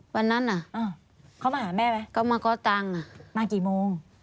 วันนั้นเขามาหาแม่ไหมเขามากอตังค์มากี่โมง